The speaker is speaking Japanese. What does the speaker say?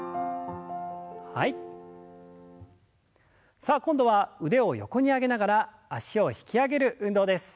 さあ今度は腕を横に上げながら脚を引き上げる運動です。